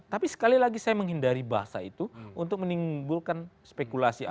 tapi sekali lagi saya menghindari bahasa itu untuk menimbulkan spekulasi